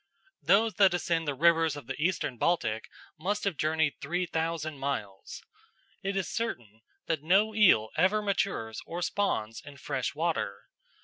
Those that ascend the rivers of the Eastern Baltic must have journeyed three thousand miles. It is certain that no eel ever matures or spawns in fresh water.